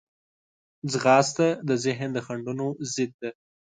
ځغاسته د ذهن د خنډونو ضد ده